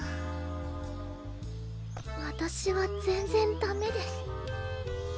わたしは全然ダメです